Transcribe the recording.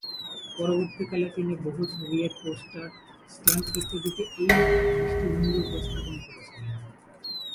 পরবর্তীকালে তিনি বহু সোভিয়েত পোস্টার, স্ট্যাম্প ইত্যাদিতে এই দৃষ্টিভঙ্গি উপস্থাপন করেছিলেন।